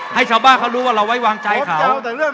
ให้ชาวบ้านเขารู้ว่าเราไว้วางใจเรื่อง